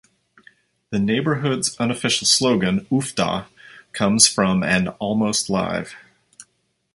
The neighborhood's unofficial slogan, "Uff da", comes from an "Almost Live!